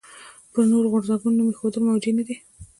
پر نورو غورځنګونو نوم ایښودل موجه نه دي.